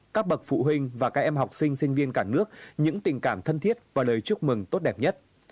các bậc phụ huynh và các em học sinh sinh viên cả nước những tình cảm thân thiết và lời chúc mừng tốt đẹp nhất